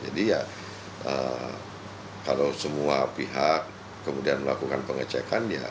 jadi ya kalau semua pihak kemudian melakukan pengecekan ya